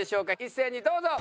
一斉にどうぞ！